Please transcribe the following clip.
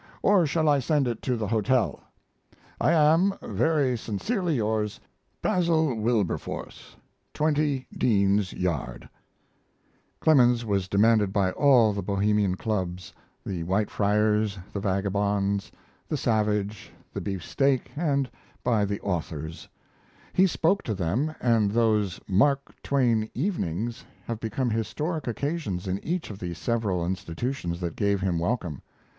or shall I send it to the hotel? I am, very sincerely yrs., 20 Dean's Yard. BASIL WILBERFORCE. Clemens was demanded by all the bohemian clubs, the White Friars, the Vagabonds, the Savage, the Beefsteak, and the Authors. He spoke to them, and those "Mark Twain Evenings" have become historic occasions in each of the several institutions that gave him welcome.